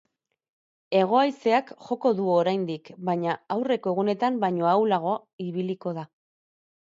Hego-haizeak joko du oraindik, baina aurreko egunetan baino ahulago ibiliko da.